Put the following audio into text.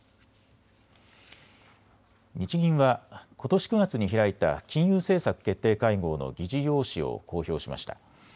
日銀はことし９月に開いた金融政策決定会合の議事要旨を公表しました。